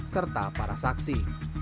serta para saksi